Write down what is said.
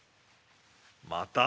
また。